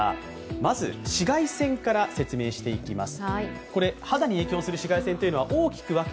まず紫外線から説明していきます。